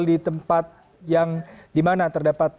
di tempat yang dimana terdapat